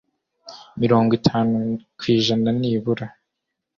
mirongo itanu ku ijana nibura